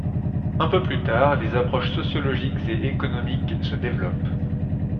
Un peu plus tard, les approches sociologiques et économiques se développent.